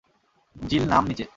জিল নাম নিচে।